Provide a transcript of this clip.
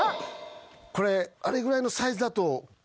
これあれぐらいのサイズだと。